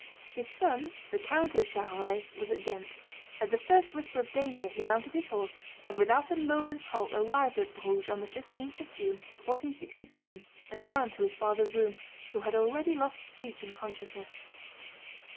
His son, the Count of Charolais, was at Ghent. At the first whisper of danger he mounted his horse, and without a moment's halt arrived at Bruges on the 15th of June, 1467, and ran to his father's room, who had already lost speech and consciousness.